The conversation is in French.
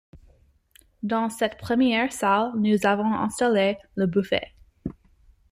dans cette première salle nous avons installé le buffet.